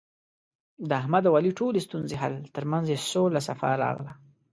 د احمد او علي ټولې ستونزې حل، ترمنځ یې سوله صفا راغله.